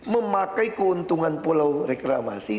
memakai keuntungan pulau reklamasi